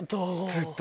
ずっと。